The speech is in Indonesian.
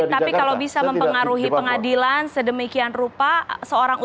tapi kalau bisa mempengaruhi pengadilan sedemikian rupanya